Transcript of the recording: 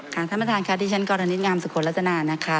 ท่านประธานค่ะที่ฉันกรณิตงามสุโขลัตนานะคะ